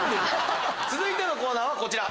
続いてのコーナーはこちら。